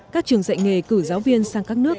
các trường dạy nghề cử giáo viên sang các nước